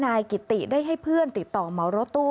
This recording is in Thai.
นายกิติได้ให้เพื่อนติดต่อเหมารถตู้